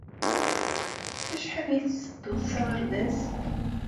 Ɣef wacḥal ay tettedduḍ s aɣerbaz?